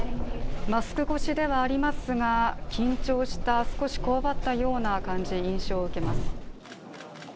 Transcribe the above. マスク越しではありますが、緊張した、少しこわばったような感じ、印象を受けます。